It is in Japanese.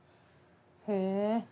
へえ。